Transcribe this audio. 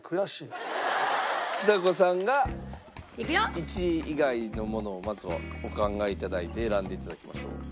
ちさ子さんが１位以外のものをまずはお考え頂いて選んで頂きましょう。